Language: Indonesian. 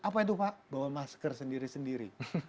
apa itu pak bawa masker sendiri sendiri